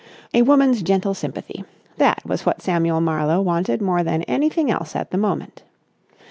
A woman's gentle sympathy, that was what Samuel Marlowe wanted more than anything else at the moment.